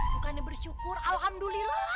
bukannya bersyukur alhamdulillah